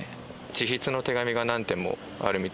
自筆の手紙が何点もあるみたいです